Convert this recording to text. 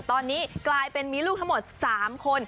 ตอนนี้กลายเป็นมีลูกทั้งหมด๓คน